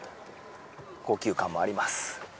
高級感もあります。